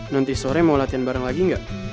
nanti sore mau latihan bareng lagi nggak